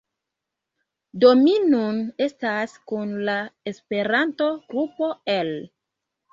Do mi nun estas kun la Esperanta grupo el